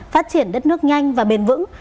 phát triển đất nước nhanh và bền vững